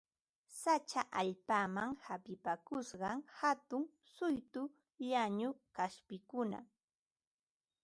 Sacha allpaman hapipakusqan hatun suytu llañu kaspikuna